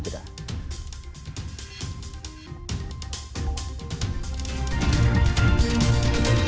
terima kasih sudah bergabung bersama kami